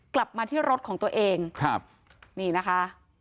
กลับมาที่รถของตัวเองครับนี่นะคะ